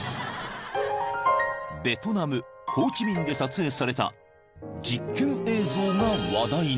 ［ベトナムホーチミンで撮影された実験映像が話題に］